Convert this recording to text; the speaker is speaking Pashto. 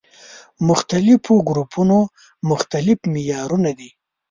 مختلفو ګروپونو مختلف معيارونه دي.